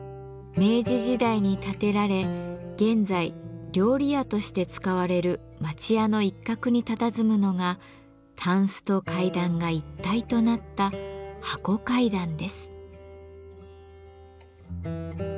明治時代に建てられ現在料理屋として使われる町家の一角にたたずむのがたんすと階段が一体となった「箱階段」です。